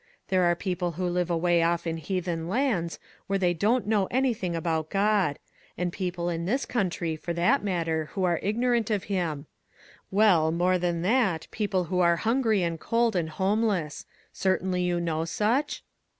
There are people who live away off in heathen lands, where they don't know anything about God; and people in this coun try, for that matter, who are ignorant of him; well, more than that, people who are hungry and cold and homeless; certainly you know such?